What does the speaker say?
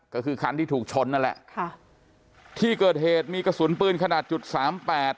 ก็คือคันที่ถูกชนนั่นแหละค่ะที่เกิดเหตุมีกระสุนปืนขนาดจุดสามแปด